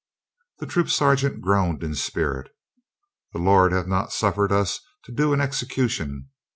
The troop sergeant groaned in spirit. "The Lord hath not suff"ered us to do an execution.